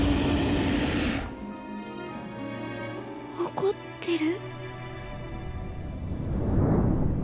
怒ってる？